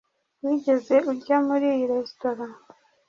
Wigeze urya muri iyi resitora?